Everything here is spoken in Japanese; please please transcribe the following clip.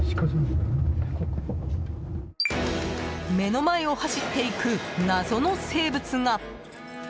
目の前を走っていく謎の生物が。